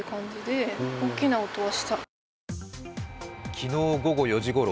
昨日午後４時ごろ